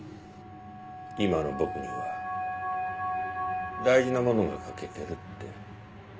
今の僕には大事なものが欠けてるって。